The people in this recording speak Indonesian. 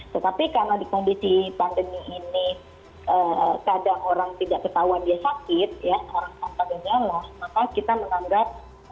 tetapi karena di kondisi pandemi ini kadang orang tidak ketahuan dia sakit orang tanpa gejala maka kita menganggap